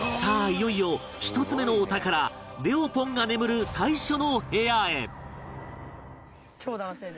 いよいよ１つ目のお宝レオポンが眠る最初の部屋へ